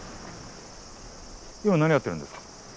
今何やってるんですか？